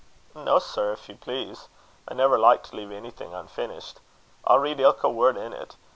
"No, sir, if you please. I never like to leave onything unfinished. I'll read ilka word in't.